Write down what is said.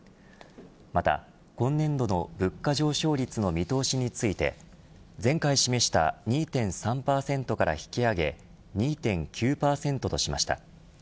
また今年度の物価上昇率の見通しについて前回示した２．３％から引き上げ２．９％としました。